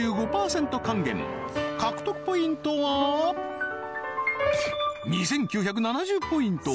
還元獲得ポイントは２９７０ポイント